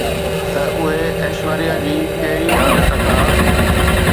ته اهي ايشوريا جي ڪهڙي عادت کان